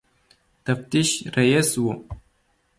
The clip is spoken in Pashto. تفتیش رییس وو.